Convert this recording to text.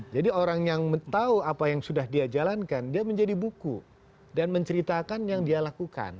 jadi orang yang tahu apa yang sudah dia jalankan dia menjadi buku dan menceritakan yang dia lakukan